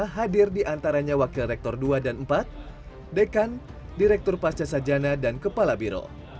hadir diantaranya wakil rektor dua dan empat dekan direktur pasca sajana dan kepala biro